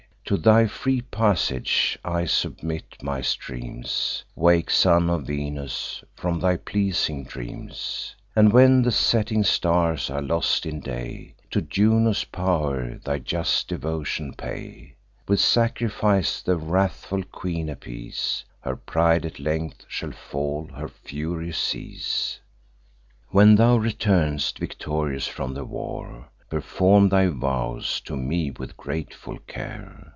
To thy free passage I submit my streams. Wake, son of Venus, from thy pleasing dreams; And, when the setting stars are lost in day, To Juno's pow'r thy just devotion pay; With sacrifice the wrathful queen appease: Her pride at length shall fall, her fury cease. When thou return'st victorious from the war, Perform thy vows to me with grateful care.